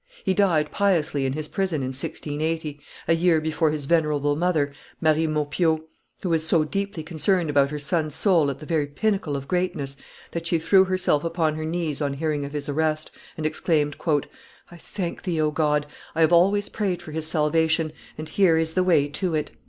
He died piously in his prison, in 1680, a year before his venerable mother, Marie Maupeou, who was so deeply concerned about her son's soul at the very pinnacle of greatness, that she threw herself upon her knees on hearing of his arrest, and exclaimed, I thank thee, O God; I have always prayed for his salvation, and here is the way to it!"